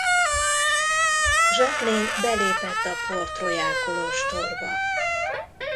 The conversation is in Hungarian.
Jacqueline belépett a Port-Royal kolostorba.